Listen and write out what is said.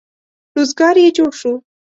روزګار یې جوړ شو.